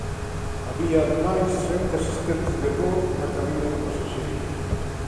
Había ademais sete asistentes de voo na cabina de pasaxeiros.